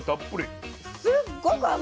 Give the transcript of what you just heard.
すっごく甘い。ね。